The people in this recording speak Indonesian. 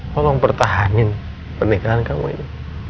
tolong pertahanin pernikahan kamu ini